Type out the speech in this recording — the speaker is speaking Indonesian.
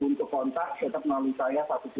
mungkin tampil sementara di tempat ini